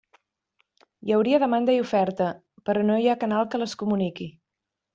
Hi hauria demanda i oferta, però no hi ha canal que les comuniqui.